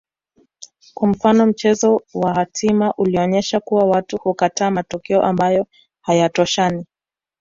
kwa mfano mchezo wa hatima ulionyesha kuwa watu hukataa matoleo ambayo hayatoshani